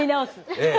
ええ。